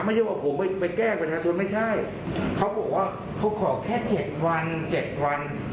ไม่ใช่ว่าผมไปแกล้งประชาชนไม่ใช่เขาบอกว่าเขาขอแค่๗วัน๗วัน